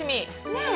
ねえ！